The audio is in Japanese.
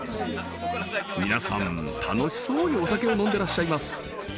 皆さん楽しそうにお酒を飲んでらっしゃいます